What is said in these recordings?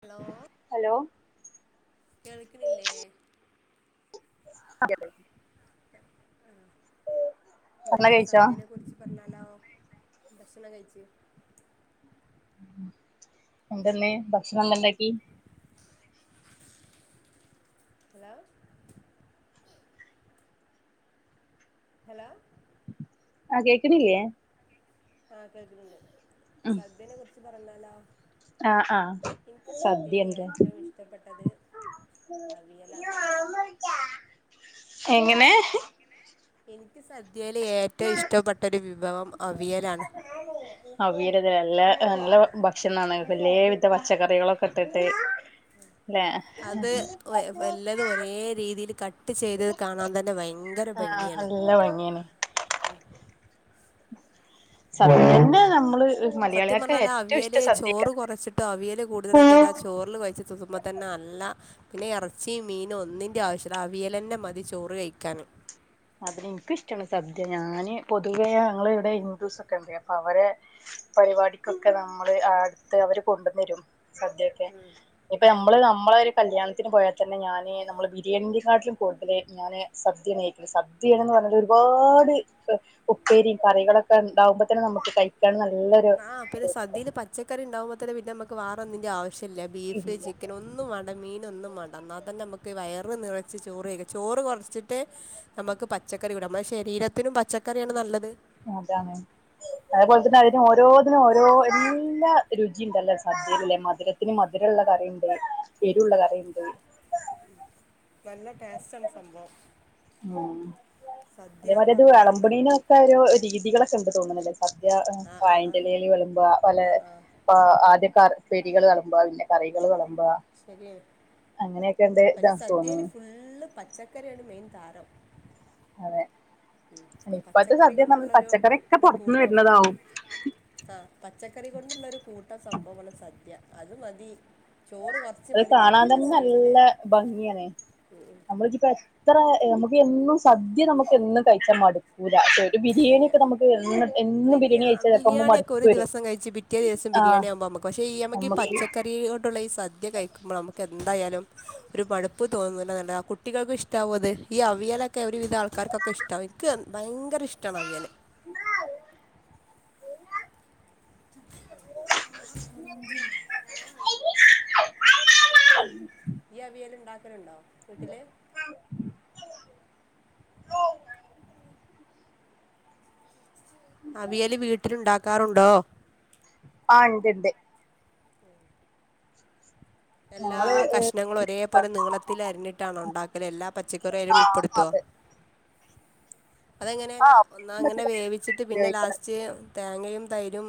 Hello hello കേൾക്കണില്ലേ [unintelligible] ഇന്ന് ഭക്ഷണം കഴിച്ചോ സദ്യേനെ കുറിച്ച് പറഞ്ഞാലോ ഭക്ഷണം കഴിച്ച് എന്താ ഇന്ന് ഭക്ഷണം എന്താ ഇണ്ടാക്കി ഹലോ ഹലോ ആഹ് കേക്കണില്ലേ? ആ കെട്ടിട്ടുണ്ട് ഉം സദ്യനെ കുറിച്ച് പറഞ്ഞാലോ ആഹ് ആഹ് എനിക്ക് സദ്യൽ സദ്യയാണ്ല്ലേ ഏറ്റവും ഇഷ്ടപ്പെട്ടത് അവിയലാണ് എങ്ങനെ എനിക്ക് സദ്യയിലെ ഏറ്റവും ഇഷ്ടപ്പെട്ട ഒരു വിഭവം അവിയലാണ് അവീയലത് നല്ല നല്ല ഭക്ഷണാണ് വല്യാ പച്ചക്കറികളൊക്കെ ഇട്ടിട്ട് ല്ലെ അത് ഒ എല്ലത് ഒരേ രീതിയിൽ കട്ട് ട്ട് ചെയ്തത് കാണാൻ തന്നെ ഭയങ്കര ആഹ് ഭംഗിയാണ് നല്ല ഭംഗിയാണ് സദ്യന്നെ നമ്മള് സത്യം മലയാളികൾക്ക് പറഞ്ഞാല് ആ ഏറ്റവും അവിയല് ഇഷ്ടം സദ്യക്കാ ചോറ് കുറച്ചിട്ടും അവിയല് കൂടുതലക്കി അതാ ആ ചോറിൽ കുഴച്ചിട്ട് സുസ്മ തന്നെ അല്ല പിന്നെ എറച്ചീ മീനും ഒന്നിന്റെ ആവശ്യല്ല അവിയലന്നെ മതി ചോറ് കഴിക്കാൻ അതിനിനിക്കിഷ്ടാണ് സദ്യ ഞാന് പൊതുവെ ഞങ്ങളിവിടെ ഹിന്ദുസ് ഒക്കെ ഉണ്ട് അപ്പൊ അവരെ പരിപാടിക്കൊക്കെ നമ്മള് അടുത്ത് അവര് കൊണ്ടുന്നരും സദ്യൊക്കെ ഇപ്പൊ നമ്മള് നമ്മളെ ഒരു കല്യാണത്തിന് പോയാൽ തന്നെ ഞാന് നമ്മള് ബിരിയാണിയെ കാട്ടിലും കൂട്തല് ഞാന് സദ്യാണ് കഴി സദ്യണന്ന് പറഞ്ഞാൽ ഒരുപാട് ഉപ്പേരി കറികളൊക്കെ ഉണ്ടാകുമ്പോ തന്നെ നമുക്ക് കൈ ക്കാൻ നല്ലൊരു ആ പിന്നെ സദ്യൽ പച്ചക്കറിണ്ടാവുമ്പോൾ തന്നെ നമുക്ക് വാറന്തിന്റെ ആവശ്യല്ലബീഫ് ഇല്ല ചിക്ക പിന്ന ഒന്നും വേണ്ട മീന് ഒന്നും വേണ്ട എന്നാതന്നെ നമുക്ക് വയറ് നിറച്ച് ചോറ്കഴിക്കാം ചോറ് കുറച്ചിട്ട് നമുക്ക് പച്ചക്കറി കൂട നമ്മ ശരീരത്തിനും പച്ചക്കറിയാണ് നല്ലത് അതാണ് അതേപോലെ തന്നെ അതിന് ഓരോന്നിനും ഓരോ എല്ലാ രുചിണ്ടല്ലോ സദ്യയിൽല്ലെ മധുരത്തി ത്തിന് മധുരള്ള കറിണ്ട് എരുള്ള കറിണ്ട് നല്ല ടേസ്റ്റ് ആണ് സംഭവം ഉ സദ്യ എന്ന് അതേപോലത് പറഞ്ഞാൽ തന്നെ വിളമ്പണീനൊക്കെ ഒരു രീതികളൊക്കെ ഉണ്ട് തോന്നുണല്ലേ സദ്യ ആ ആ ആ വായന്റെലൽ വിളമ്പാ പലേ ആ ആ പ്പ ആദ്യൊക്കെ പ്പേരികൾ വെളമ്പാ പിന്നെ കറികൾ വെളമ്പ ശരിയെ അങ്ങനെയൊക്കെ ഉണ്ട് ഇതാ തോന്നുന്നു ക്കരെയാണ് മെയിൻ താരം അതെ ഇപ്പത്തെ പച്ചക്കറി സദ്യ നമ്മൾ കൊണ്ടുള്ളൊരു പച്ചക്കറിയൊക്കെ ഒരു പൊറത്തന്ന് കൂട്ടം വരുന്നതാവും ആ പച്ചക്കറി കൊണ്ടുള്ള ഒരു കൂട്ട സംഭവമാണ് സദ്യ അത് മതി ചോറ് കുറച്ച് അത് മതി കാണാൻ ബാക്കിയൊക്കെ തന്നെ സൈഡിൽ നല്ല ഭംഗിയണ് നമ്മളി ഇത്ര നമുക്ക് എന്നും സദ്യ നമുക്ക് എന്നും കഴിച്ചാൽ മടുക്കൂല്ല ബിരിയാണി ഇല്ല ഒക്കെ നമുക്ക് എന്നും എന്നും ബിരിയാ ബിരിയാണി കഴിച്ച ചെലപ്പോ നമുക്ക് ബിരിയാണിയൊക്കെ മടുപ്പ് വരും ആ പക്ഷെ ഈ നമക്ക് ഈ പച്ചക്കറികൊണ്ടുള്ള ഈ സദ്യ കഴിക്കുമ്പോൾ നമുക്ക് എന്തായാലും ഒരു മടുപ്പ് തോന്നൂല്ല കുട്ടികൾക്കും ഇഷ്ടാവും അത് ഈ അവിയലൊക്കെ ഒരുവിധ ആൾക്കാർക്കൊക്കെഷ്ടാവും ക്ക് ഭയങ്കര ഇഷ്ടമാണ്അവിയല് [inaudible] [inaudible] [inaudible] ഇയ്യവിയൽ ഉണ്ടാക്കലുണ്ടോ വീട്ടില് [inaudible] അവിയല് വീട്ടിലുണ്ടാക്കാറുണ്ടോ? ആ ഇണ്ടിണ്ട്. എല്ലാ ഞങ്ങള് കഷ്ണങ്ങളും ഒരേപോലെ നീളത്തില് അരിഞ്ഞിട്ടാണോ ഉണ്ടാക്കല് എല്ലാ പച്ചക്കറി ആഹ് അയിലുൾപ്പെടുത്തോ? അതെ അതെങ്ങനെ ലാ ആഹ് ഒന്നാം അങ്ങനെ വേവിച്ചിട്ട് പിന്നെ ലാസ് ഉപയോഗിക്കാറ് റ്റ് തേങ്ങയും തൈരും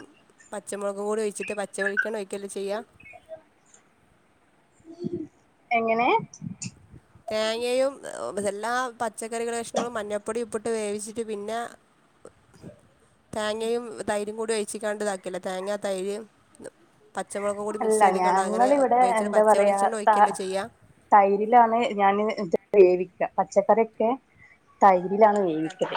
പച്ചമുളക് കൂടി ഒഴിച്ചിട്ട് പച്ചവെളിക്കണ്ണ ഒഴിക്കല്ലേ ചെയ്യാ എങ്ങനെ? തേങ്ങയും എല്ലാ പച്ചക്കറികള് കഷ്ണങ്ങളും മഞ്ഞപ്പൊടി ഉപ്പിട്ട് വേവിച്ചിട്ട് പിന്നെ തേങ്ങയും തൈരും കൂടി ഒഴിച്ങ്ങാണ്ട് ഇതാക്കല്ലേ തേങ്ങ തൈര് പച്ചമുളകും കൂടി അല്ല മിക്സിയ്ത്ങ്ങാണ്ട് അങ്ങനെ ഞങ്ങളിവിടെ ഉയോഗിച്ചിട്ട് എന്താ പച്ച പറയാ വെളിച്ചെണ്ണ ത ഒഴിക്കല്ലേ ചെയ്യാ തൈരിലാണ് ഞാൻ ഇത് വേവിക്ക പച്ചക്കറിയൊക്കെ തൈരിലാണ് വേവിക്കാ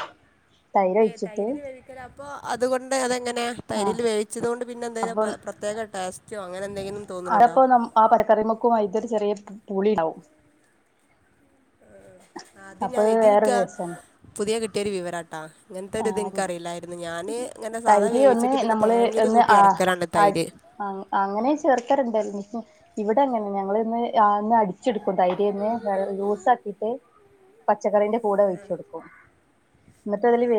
തൈര് ഒഴി തൈരിൽ വേവിക്കലാ അപ്പൊ അതുകൊണ്ട് അതെങ്ങനെയാ ആഹ് തൈരില് വേവിച്ചത് കൊണ്ട് പിന്നെ എന്തേന പ പ്രത്യേക ടേസ് റ്റോ അങ്ങനെ എന്തെങ്കിലും തോന്നിണ് ണ്ടോ? അതപ്പോ നം ആ പച്ചക്കറിമുക്കും അയിൻ്റൊരു ചെറിയ പ് പുളി ആവും. ആ അത് അപ്പൊ ഞാനെയ് ഇത് ഇനിക്ക വേറൊരു രസാണ് പുതിയ കിട്ടിയൊരു വിവരാട്ടാ. ഇങ്ങൻത്തെ ഒരു ഇത് ആഹ് എനിക്കറിയില്ലായിരുന്നു, ഞാന് ഇങ്ങനെ സാധാ തൈര് ഒന്ന് വേവിച്ചിട്ട് പിന്നെ നമ്മള് തേങ്ങേല് ഒന്ന് കൂട്ടി അരക്കലാണ് അട് തൈര്. ആ അങ്ങനെ ചേർക്കല്ണ്ടായ്ന്ന് ഇവടെ ങ്ങനെ ഞങ്ങള് ഇന്ന് രാന്ന് അടി ച്ചെട്ക്കും തൈരിന്ന് വേ ലൂസാക്കീട്ട് പച്ചക്കറിൻ്റ കൂടെ ഒഴിച്ചൊടുക്കും എന്നിട്ട് അതില്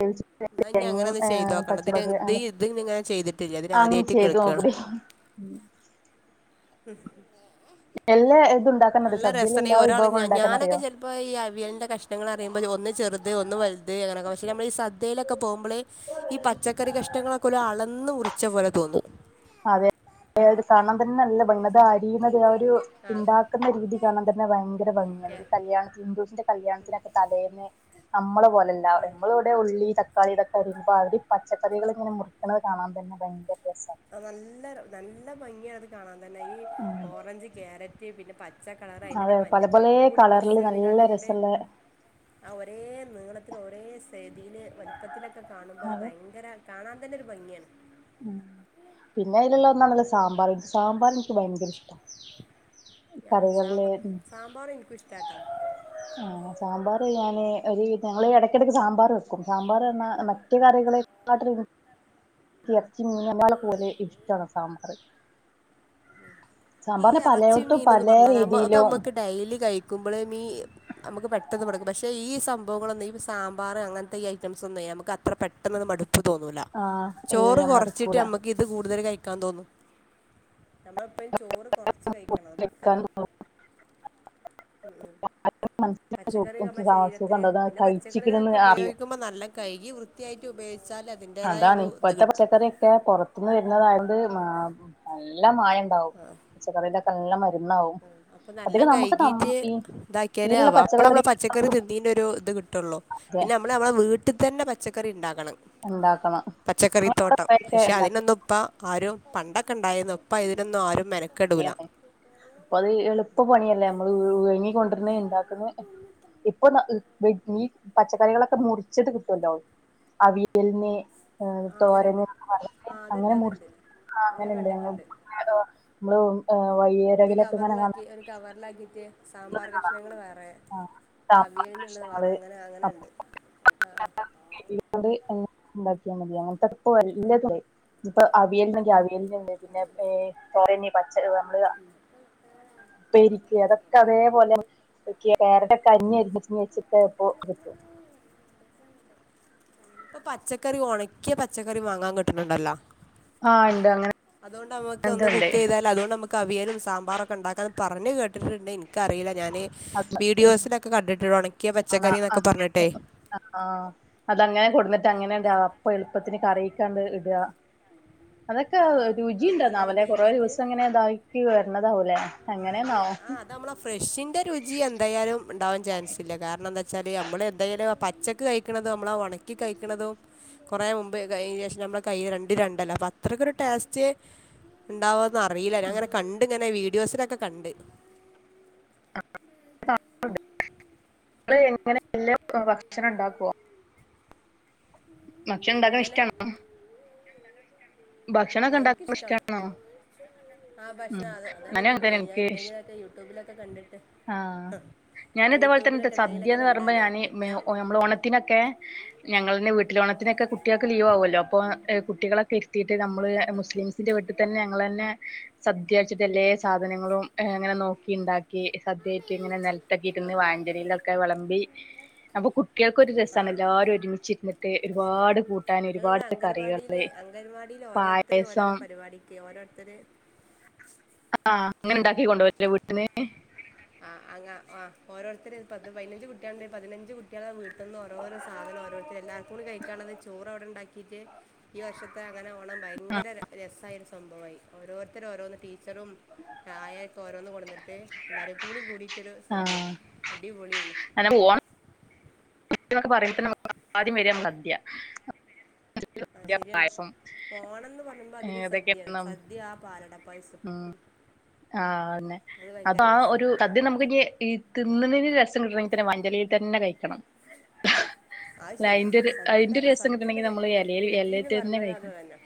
[unintelligible] എന്നാ ഇനി അങ്ങനെ തേങ്ങിം ഒന്ന് ചെയ്ത് ഏഹ് നോക്കണം പച്ച ഇതിന് മൊളക് ഇത് ഇത് ഇങ്ങനെ ചെയ്തിട്ടില്ല ഇതിന് അങ്ങ് ആദ്യമായിട്ട് ചെയ്തു കേൾക്കാണ് നോക്കെടി ഉം ഉം എല്ലാ ഇതുണ്ടാക്കാനറിയോ നല്ല രസണ്ണി സദ്യയിലെല്ലാ ഒരാള് വിഭവങ്ങളും ഞാ ഞാനൊക്കെ ഉണ്ടാക്കാനറിയോ [unintelligible] ഇപ്പൊ ഈ അവിയലിന്റെ കഷ്ങ്ങളറിയുമ്പോ ഒന്ന് ചെറുത് ഒന്ന് വൽ തെ [unintelligible] പക്ഷെ നമ്മളീ സദ്യയിലൊക്കെ പോവുബള് ഈ പച്ചക്കറി കഷ്ണങ്ങളൊക്കെ ഒരളന്ന് മുറി ച്ച പോലെ തോന്നും അതെ, അത് കാണാൻ തന്നെ നല്ല [unintelligible] അത് അരിയുന്നത് ആ ഒരു ആ ഇണ്ടാക്കുന്ന രീതി കാണാൻ തന്നെ ഭയങ്കര ഭംഗിയാണ്, ഓക്കെ ഒരു കല്യാണത്തി ഹിന്ദുസിൻ്റെ കല്യാണ ത്തിന് തലേന്ന് നമ്മള പോലല്ല ഇമ്മള് ഉള്ളി തക്കാളിതൊക്കെ അരിയുമ്പോ അവര് പച്ചക്കറികളിങ്ങനെ മുറിക്കണത് കാണാൻ തന്നെ ഭയങ്കര രസാ അനല്ല നല്ല ഭംഗിയാത് കാണാൻ തന്നെ ഈ ഉം ഓറഞ്ച് ക്യാരറ്റ് പിന്നെ പ പച്ച കളറ് അതിന്ററടി അതെ പല മഞ്ഞ കളർ പല ഒക്കെകൂടി കളറില് നല്ല മിസെയ്ത്ങ്ങാണ്ട് ഇങ്ങട് രസള്ള ആ ഒരേ നീളത്തില് ഒരേ സയ്തിയില് വലുപ്പത്തിലൊക്കെ കാണുമ്പോ അത് ഭയങ്കര കാണാൻ തന്നെ ഒരു ഭംഗിയാണ്. ഉം, പിന്നെ അതിലുള്ള ഒന്നാണല്ലോ സാമ്പാറ്, സാമ്പാറ് എനിക്ക് ഭയങ്കര ഇഷ്ടാ ആ കറികളില് സാമ്പാ സാമ്പാറു എനിക്കും ഇഷ്ടാട്ടാ. ആഹ് സാമ്പാറ് ഞാന് ഒര് ഞങ്ങള് എടയ്ക്കിടക്ക് സാമ്പാറ് വെക്കും സാമ്പാറ് പറഞ്ഞ മറ്റ് കറികളേക്കാട്ടിലും എർച്ചി മീന [unintelligible] പോലെ ഇഷ്ടാണ് സാമ്പാറ് ഈ എറച്ചി പലയിടത്തും മീന്ന്ന് പല പറഞ്ഞാല് അമ്മ അത് രീതിയിലും അമ്മക്ക് ഡെയ്ലി കഴിക്കുമ്പള് മീ അമ്ക്ക് പെട്ടെന്ന് മടുക്കും, പക്ഷെ ഈ സംഭവങ്ങളൊന്നും, ഈ സാമ്പാറ് അങ്ങൻത്തെ ഈ ഐറ്റംസ് ഒന്നെ നമുക്ക് അത്ര പെട്ടെന്നൊന്നും മടു പ്പ് തോന്നൂല, ആഹ് ചോറ് ഇല്ല കൊറച്ചിട്ട് മടുക്കൂല ഞമക്കി ഇത് കൂടുതല് കഴിക്കാൻ തോന്നു. നമ്മളെപ്പഴും ചോറ് കൊറച്ച് കഴിക്കണം [unintelligible] ഉം ഉം പച്ചക്കറി നമ്മളെ ശരീരത്തില് സുഖണ്ടോ അത് പിന്നെ കഴിച്ചിക്കണന്ന് പച്ചക്കറികളൊക്കെ അറിയും ഉപയോഗിക്കുമ്പ നല്ല കഴ്കി വൃത്തിയായിട്ട് ഉപയോഗിച്ചാല് അതാണ് ഇപ്പഴത്തെ പച്ചക്കറിയൊക്കെ പൊറ ത്ത്ന്ന് വരുന്നതായത് മ നല്ല മായം ഇണ്ടാവും പച്ചക്കറിലൊക്കെ നല്ല മരുന്നാവും അപ്പ നല്ല അധികം നമുക്ക് നം കഴ്‌കീട്ട് ഈ ഇതാക്കിയാല് അപ്പള് അമ്മള പച്ചക്കറി തിന്നീന്റെ ഒരു ഇത് കിട്ടൊള്ളൂ പിന്നെ അം മ്മള് അമ്മളെ വീട്ടിത്തന്നെ പച്ചക്കറി ഇണ്ടാക്കണം ഉണ്ടാക്കണം പച്ചക്കറി ഇങ്ങളെ തോട്ടം അവിടെ പക്ഷെ ഇണ്ടാക്ക അതിനൊന്നും പ്പ ആരും പണ്ടൊക്കെ ഇണ്ടായിരുന്നു ഇപ്പ ഇതിനൊന്നും ആരും മെന [unintelligible] ഇപ്പത് എളുപ്പ പണിയല്ലേ അമ്മള് [unintelligible] ക്കൊണ്ടര്ണ് ഇണ്ടാക്ക്ന്ന് ഇപ്പൊന്ന ഏഹ് വെ ഞി പച്ചക്കറികളൊക്കെ മുറിച്ചത് കിട്ടൊല്ലോ അവിയൽന് ആഹ് അങ്ങനെയുണ്ട് തോരന് ആ അതുണ്ട് അങ്ങനെ മുറി അതുണ്ട് ആഹ് അങ്ങനെണ്ട് [unintelligible] ഒര് കവറിലാക്കി കാണുന്ന ഒര് കവറിലാക്കീറ്റ് സാമ്പാർ കഷ്ണങ്ങള് വേറെ സാമ്പാർ അവിയല്ന്ള്ളത് വേറെ കഷ്ണങ്ങള് അങ്ങനെ അങ്ങനെ ഇണ്ട് ആഹ് ആഹ് [unintelligible] ഇണ്ടാക്കിയാൽ മതി അങ്ങനത്തെപ്പ [unintelligible] ഇപ്പ അവിയലിന്നെങ്കിൽ അവിയലിന്ണ്ട് പിന്നെ ഏഹ് കൊറേ ഇന്നീ പച്ച നമ്മള് ഉപ്പേരിക്ക് അതൊക്കെ അതേ പോലെ [unintelligible] കഞ്ഞി [unintelligible] ഇപ്പൊ പച്ചക്കറി ഒണക്കിയ പച്ചക്കറി വാങ്ങാൻ കിട്ടണുണ്ടല്ലോ ആഹ് ഇണ്ട് അങ്ങനെ അതൊണ്ട് അമ്മക്ക് ഒന്ന് കുക്ക് ചെയ്താൽ അതൊണ്ട് അമ്മ ക്ക് അവിയലും സാമ്പാറൊക്കെ ഉണ്ടാക്കാന്ന് പറഞ്ഞ് കേട്ടിട്ടുണ്ട് എനിക്കറിയില്ല ഞാന് ഉണ്ട് വീഡിയോസിലൊക്കെ കണ്ടിട്ടുണ്ട് ഒണക്കിയ പച്ചക്കറി എന്നൊക്കെ പറഞ്ഞിട്ടെ ആഹ് ആഹ് അതങ്ങനെ കൊടുന്നിട്ട് അങ്ങനെണ്ട് ആഹ് അപ്പ എളുപ്പത്തിന് കറിയിക്കങ്ങട് ഇടുക അതൊക്കെ ആ ആ അത് നല്ലോണം രുചിണ്ടാന്നാവുല്ലെ കൊറെ കഴുകിയിട്ട് ദിവസം ഇങ്ങനെ ഇതാക്കി വരണതാവൂലെ അങ്ങനെന്നൊ നമ്മള ഫ്രഷിന്റെ രുചി എന്തായാലും ഉണ്ടാവാൻ ചാൻസ് ഇല്ല കാരണം എന്താ ച്ചാല് അമ്മള് എന്തായാലും പച്ചക്ക് കഴിക്കണതും അമ്മള് ആ ഒണക്കി കഴിക്കണതും കൊറെ മുമ്പ് [unintelligible] ശേഷം നമ്മള കൈയില് രണ്ടും രണ്ടല്ല അപ്പൊ അത്രയ്ക്ക് ഒരു ടേസ്റ്റ് ഇണ്ടാവോന്ന് അറിയില്ല ഞാൻ ഇങ്ങനെ കണ്ട് ഇങ്ങനെ വീഡിയോസിലൊക്കെ കണ്ട് [unintelligible] ഇങ്ങള് എങ്ങന എല്ലാ ഭക്ഷണോം ഇണ്ടാക്കുവോ ഭക്ഷണം ഇണ്ടാക്കണ അങ്ങനെ ഇഷ്ടാണോ ഭക്ഷണമൊക്കെ ഇണ്ടാക്കണ ഇഷ്ടാണോ ആഹ് ഉം ഭക്ഷണം അത് അതാണ് ഞാനും എന്റെ അങ്ങൻതന്നെ മെയിന് ഞാൻ ഇൻക്ക് ഇഷ് എന്തെങ്കിലൊക്കെ യൂട്യൂബിലൊക്കെ കണ്ടിട്ട് ഞാന് ഇതേ പോലെത്തെ [unintelligible] യൂട്യൂബിലൊക്കെ എന്തെങ്കിലുമൊക്കെ സദ്യാന്ന് പറയുമ്പോ കണ്ടാലേ ഞാന് മി കിട്ടാം ഓ നമ്മള് ഓണത്തിനൊക്കെ ഞങ്ങളിന്നെ വീട്ടില് ഓണത്തിനൊക്കെ കുട്ട്യക്ക് ലീവ് ആവുല്ലോ അപ്പൊ ആഹ് കുട്ടികളൊക്കെ ഇര് ത്തീട്ട് നമ്മള് മുസ്ലിംസിന്റെ വീട്ടി തന്നെ ഞങ്ങളന്നെ സദ്യ വെച്ചിട്ട് എല്ലേ സാധനങ്ങളും അങ്ങനെ നോക്കി ഇണ്ടാക്കി സദ്യയായിട്ട് ഇങ്ങനെ നെല ത്തെക്കെ ഇരുന്ന് വായേന്റെ എലേലൊക്കെ വെളമ്പി അപ്പൊ കുട്ട്യൾക്കൊരു രസാണ് ആ എല്ലാരും ഒരുമിച്ചിരുന്നിട്ട് പ്രശ്നം ഒരുപാട് കൂട്ടാന് ഒരുപാട് കറികള് അംഗൻവാടിയില് ഓരോരുത്തര് ഓരോരോ പായസം പരിപാടിക്ക് ഓരോരുത്തര് ആഹ് ആഹ് അങ്ങനെ ഇണ്ടാക്കി കൊണ്ട് പോവല്ലേ വീട്ടിന്ന് ആഹ് അങ്ങാ ആഹ് ഓരോരുത്തര് പത്ത് പതിനഞ്ച് കുട്ട്യള് ഉണ്ടേ പതിനഞ്ച് കുട്ട്യളെ വീട്ടിന്നും ഓരോരോ സാധനം ഓരോര് എല്ലാവർക്കും കൂടി കഴിക്കാള്ളത് ചോറ് അവിടെ ഉണ്ടാക്കിട്ട് ഈ വർഷ ത്തെ അങ്ങനെ ഓണം ഭയങ്കര ര രസായ ഒരു സംഭവായി ഓരോരുത്തര് ഓരോന്ന് ടീച്ചറും ആയാക്കെ ഓരോന്ന് കൊടന്നിട്ട് എല്ലാരും കൂടി കൂടിട്ടരു സദ്യ അടിപൊളിയെന് പോവാം ക്കെ പറയ്പന്നെ ആദ്യം വര സദ്യ ആ ശരിയാണ് പായസം ഓണംന്ന് പറയുമ്പോ അതില് സദ്യയാണ് സദ്യ ആ പാലടപ്പായസം ഉം ആന്നെ അത് അപ്പൊ ഭയങ്കര ആ ഒരു രസമാണ് സദ്യം നമുക്ക് ഇ തിന്നണന് രസം കിട്ടണമെങ്കിൽ തന്നെ മഞ്ചളിയിൽ തന്നെ കഴിക്കണം ആഹ് അല്ല ശരിയാണ് അതിന്റെ ഒരു അതിന്റെ സദ്യന്റെ ഒരു രസം സദ്യന്റെ കിട്ടണമെങ്കിൽ നമ്മള് ഇലയിൽ രുചിന്ന് ഇലയിട്ട് തന്നെ പറഞ്ഞത് അത് തന്നെ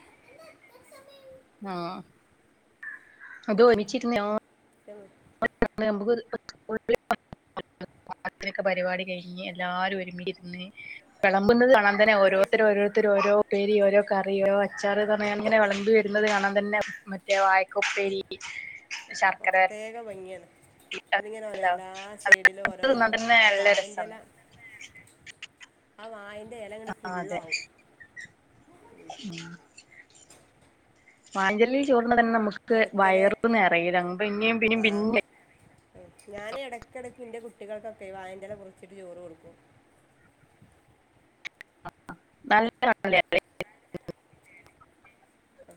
ആഹ അതോച്ചിന്നോആ [unintelligible] [unintelligible] ക്ക്ഒരു [unintelligible] മാത്തിനൊക്കെ പരിപാടി കഴിഞ്ഞ് എല്ലാരും ഒരുമിയിരുന്ന് വിളമ്പുന്നത് കാണാ അങ്ങെ അത് ഓരോത്തര ശരിയാണ് രോത്ത ഓരോ ഉപ്പേരി ഓരോ കറി ഓരോ അച്ചാറ്ന്നക്കാണ്ട്‌ ഇങ്ങനെ വിളബി വരുന്നത് കാണാൻ തന്നെ മറ്റേ വായക്കൊപ്പേരി പ്രത്യേക ഭംഗിയാണ് അതിങ്ങനെ ഓര എല്ലാ സൈഡിലും അത് ഓരോരോ തിന്നാൻ തന്നെ ആ നല്ല വായന്റെല്ല രസാണ് ആ വായന്റെ ഏല ആ അതെ ഉം വായനറ്റലീൽ ചോർന്ന തന്നെ നമുക്ക് ക്ക് നടുക്കല് വയർ നിറയിയുല പിന്നും പിന്നും പിന്നെ ഞാന ഏടക്കിടയ്ക്ക് ഇന്റെ കുട്ടികൾക്കൊക്കെ വായന്റെല മുറിച്ചിട്ട് ചോറ് കൊടുക്കും [unintelligible] അ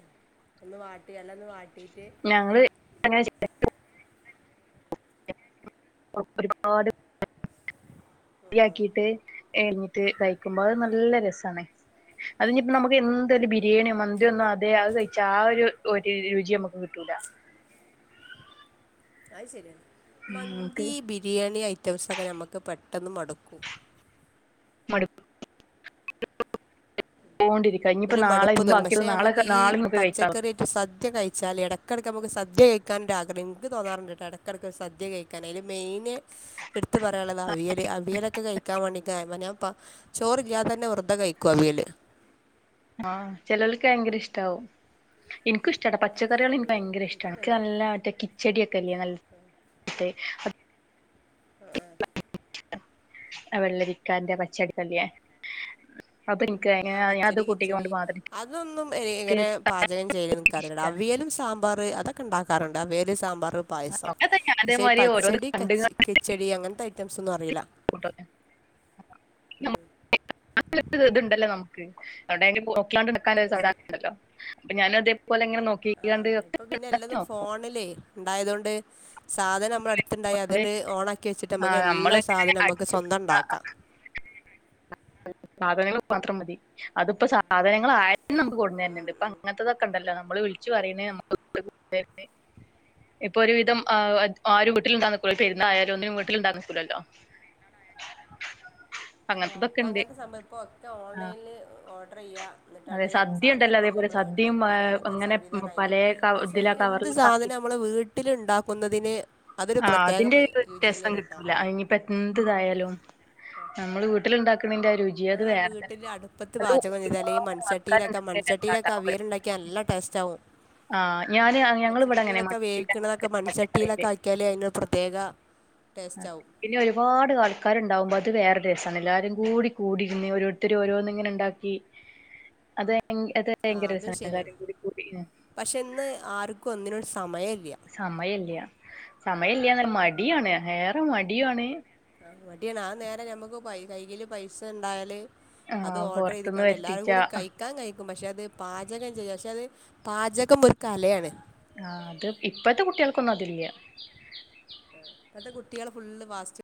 ഒന്ന് വാട്ടി ഏലന്ന് വാട്ടീട്ട് ഞങ്ങള് അങ്ങനെ ചെ [unintelligible] ഒരുപാട് [unintelligible] യാക്കിട്ട് എഴിഞ്ഞിട്ട് കഴിക്കുമ്പോ അത് നല്ല രസാണ് അതിനി ഇപ്പ നമുക്ക് എന്താരു ബിരിയാണിയോ മന്തിന്നും അതെ അത് കഴി ചാ ആഒരു ഒരു രുചി നമക്ക് കിട്ടൂല അയ് ശരിയാണ് ഉം നമുക്ക് മന്തി ബിരിയാണി ഐറ്റംസൊക്കെ നമുക്ക് പെട്ടെന്ന് മടുക്കൂ മട്പ്പ് പോണ്ടിരി ഒരു മടുപ്പ് തോന്നും പക്ഷെ നമുക്ക് ഈ നമുക്ക് കഴിക്കാം പച്ചക്കറി സദ്യ കഴിച്ചാല് ഇടക്കെടയ്ക് നമുക്ക് സദ്യ കഴിക്കാനൊരാ ആഗഹം ഇന്ക് തോന്നാറുണ്ട്ട്ടോ ഇടയ ക്കെടക്ക സദ്യ കഴ ക്കാൻ അല് മെയിന് എടുത്ത് പറയാനുള്ളത് അവിയൽ അവിയലൊക്കെ കഴിക്കാൻ വേണ്ടി ഞാൻപ്പ ചോറില്ലാതെ തന്നെ വെറുതെ കഴിക്കും അവിയല് ആഹ് ചെലൊൾക്ക് ഭയങ്കര ഇഷ്ടാവും ഇൻക്ക് ഇഷ്ട്ടട്ടാ പച്ചറികൾ ഇന്ക് ഭയങ്കര ഇഷ്ട എനിക്ക് നല്ല മറ്റ കി ചടി ഒക്കെ ല്ല്യെ നൽ [unintelligible] ആഹ് ആഹ് അവെള്ളരിക്കാന്റെ പച്ചടിക്കല്ലിയേ അത് ഇൻക്ക് ആ [unintelligible] അത് പച്ചടി കൂട്ടി കൊണ്ട് കിച്ചടി മാത്ര അതൊന്നും ഹെ ഇങ്ങനെ പാചകം ചെയ്യല്ന്ന് നിനക്ക അറിയില്ല ഇഷ്ടാണ് അവിയലും സാ സാമ്പാർ അതൊക്കെ ഇണ്ടാക്കാരുണ്ട് അവിയൽ സാമ്പാർ പായസം അതെ ഞാൻ പക്ഷേ ഈ അതേമാതിരി ഓരോന്ന് പച്ചടി കെ കണ്ട് കിച്ചടി അങ്ങനത്തെ ഐറ്റംസ് ഒന്നും അറിയില്ല പുട്ട് നമ്മ [unintelligible] തുണ്ടല്ലോ നമുക്ക് അടെ പോക്കലാണ്ട് [unintelligible] അപ്പം ഞാനും അതേപ്പോലെങ്ങനെ നോക്കും ആഹ് ആഹ് ഇപ്പൊ പിന്നെ എല്ലാതും ഫോണിലേ ഇണ്ടായതോണ്ട് സാധനം നമ്മളെ അടുത്തുണ്ടായ അതാണ്ട് അതുകൊണ്ട് ഓണാക്കി വെച്ചിട്ട് ആ, നമ്മുക്ക് എല്ലാ നമ്മളിങ്ങനെ സാധനം നമുക്ക് അടിച്ചു സ്വന്തം ണ്ടാക്കാം സാധനങ്ങൾ മാത്രം മതി അതിപ്പോ സാധനങ്ങായാലും നമുക്ക് കൊണ്ട് തര്ന്നണ്ട് ഇപ്പ അങ്ങനത്തെതൊക്കെ ഉണ്ടല്ലോ നമ്മള് വിളിച്ച് പറയണെ നമ്മക്ക് [unintelligible] [unintelligible] ഇപ്പൊ ഒരു വിധം ആ ആരും വീട്ടില് ണ്ടാ നിക്കൂലല്ലോ പെരുന്നായാലും ഒന്നിനും വീട്ടിൽണ്ടാക്കാ നിക്കൂലല്ലോ അങ്ങൻത്തത് ഇപ്പോ അങ്ങനത്തെ സംഭവം ഇപ്പോൾ ഒക്കെ ഓൺലൈനിൽ ഓർഡർ ചെയ്യ അതെ എന്നിട്ടാണ്ട് സദ്യ സാധനം ഉണ്ടല്ലോ അപ്പോംതന്നെ അതേപോലെ നമ്മൾ സദ്യയും വീട്ടിലെത്തി ആഹ് അങ്ങൻ ത്തെ ഒരു അങ്ങനെ സംവിധാനായില്ലെ പലേ ക പക്ഷെ ഇതിലാ എന്ത് കവറിലൊക്കെ ആക്കി സാധനം നമ്മളെ വീട്ടില്ണ്ടാക്കുന്നതിന് അതൊരു പ്രത്യേക രുചിന്യട്ടോ അയിനിപ്പം എന്ത്‌ തായാലും [unintelligible] നമ്മള് വീട്ടില് ണ്ടാക്കുന്നതിന്റെ രുചി അത് നമ്മളെ വേറെ തന്നെ വീട്ടിൽ അടുപ്പത്ത് അത് പാചകചെയ്താല് ഒരുപാട് മൺചട്ടിയിലൊക്കെ ആൾക്കാരുണ്ടാക്കിയ മൺചട്ടിയിലൊക്കെ രസാട്ടോ അവിയലുണ്ടാ ക്ക്യ നല്ല ടേസ്റ്റ് ആവും ആഹ് ഞാന് ഞങ്ങൾ ഇവിടെ അങ്ങനെ മൺചട്ടിലാ മൺച്ചട്ടിയിലൊക്കെ ആക്കിയാല് അയ്ന് പ്രത്യേക അതെ ടേസ്റ്റാവും പിന്നെ ഒരുപാട് ആൾക്കാരുണ്ടകുമ്പോ അത് വേറൊരുരസാണ് എല്ലാരും കൂടി കൂടിയിരുന്ന് ഓരോരുത്തർ ഓരോന്ന്ങ്ങനെണ്ടാ [unintelligible] അതെ അതെ ആഹ് അതും ശരിയാണ് പക്ഷെ ഇന്ന് ആർക്കും ഒന്നിനും ഒര് സമയല്ല സമയല്ല സമയല്ല മടിയാണ് ഏറെ മടിയുണ് ആ മടിയണ് ആ നേരം ഞമ്മക്ക് പൈ കൈകയില് പൈസ ഉണ്ടായാല് അത് ആഹ് ഓർഡർ പൊറത്ത്ന്ന് ചെയ്തിക്കാണ്ട് എല്ലാരും വരുത്തിച്ച കൂടി ക യ്ക്കാൻ കഴിക്കും പക്ഷെ അത് പാചകം ചെയ്യാം പക്ഷെ അത് പാചകം ഒരു കലയാണ് ആ അത് ഇപ്പത്തെ കുട്ടികൾക്കൊന്നും അതില്ല ഇപ്പത്തെ കുട്ട്യാൾ ഫുള്ള് ഫാസ്റ്റ്